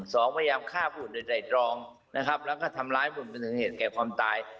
สองพยายามฆ่าผู้หญิงใดใดดรองนะครับแล้วก็ทำร้ายผู้หญิงเป็นเหตุเหตุแก่ความตาย